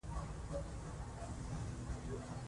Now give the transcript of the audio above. مېلې د کوچنيانو د خلاقیت او ابتکار له پاره ښه زمینه ده.